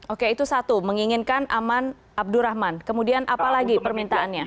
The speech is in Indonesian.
oke itu satu menginginkan aman abdurrahman kemudian apa lagi permintaannya